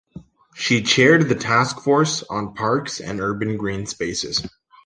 She chaired the taskforce on parks and urban green spaces.